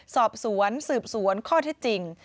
สอบสวนสืบสวนข้อเท็จจริง